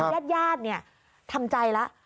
แล้วญาติทำใจแล้ว